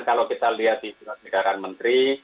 kalau kita lihat di jurat negara menteri